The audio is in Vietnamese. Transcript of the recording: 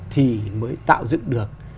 thì mới tạo dựng được